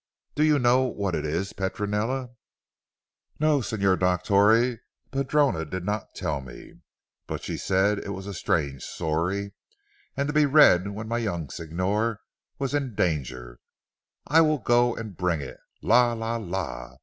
"Do you now what it is Petronella?" "No, Signor Dottore. The padrona did not tell me. But she said it was a strange story. And to be read when my young Signor was in danger. I will go and bring it. La! La! La!